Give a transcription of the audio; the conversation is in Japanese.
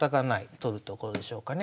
取るところでしょうかね。